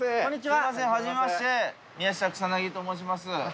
はじめまして宮下草薙と申します。